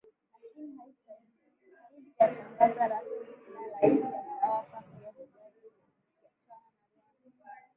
lakini haijatangaza rasmi kila la heri atawapa kiasi gani nikiachana na rwanda